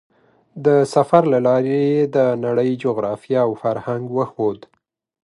د سفر له لارې یې د نړۍ جغرافیه او فرهنګ وښود.